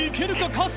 春日）